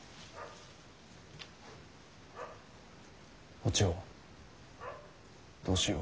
お千代どうしよう。